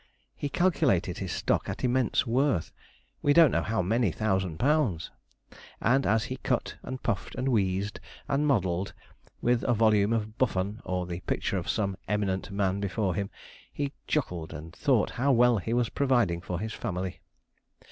He calculated his stock at immense worth, we don't know how many thousand pounds; and as he cut, and puffed, and wheezed, and modelled, with a volume of Buffon, or the picture of some eminent man before him, he chuckled, and thought how well he was providing for his family.